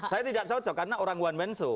saya tidak cocok karena orang wan menso